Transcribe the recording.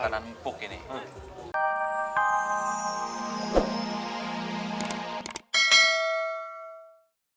gua ajarin potong lehernya dulu